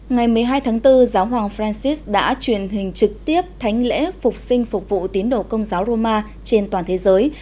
ngày một mươi hai tháng bốn giáo hoàng francis đã truyền hình trực tiếp thánh lễ phục sinh phục vụ tiến đổ công giáo roma trên toàn thế giới